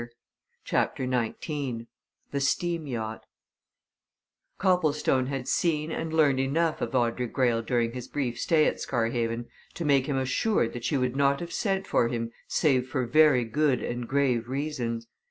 _ CHAPTER XIX THE STEAM YACHT Copplestone had seen and learned enough of Audrey Greyle during his brief stay at Scarhaven to make him assured that she would not have sent for him save for very good and grave reasons.